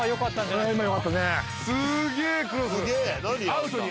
アウトに。